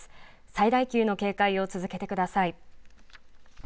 最大級の警戒を続けてください。